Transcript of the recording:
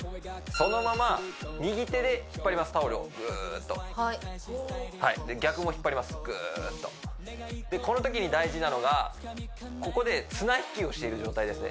そのまま右手で引っ張りますタオルをぐーっとで逆も引っ張りますぐーっとでこのときに大事なのがここで綱引きをしている状態ですね